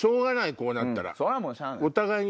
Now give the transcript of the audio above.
こうなったら。